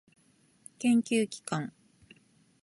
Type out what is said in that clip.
研究機関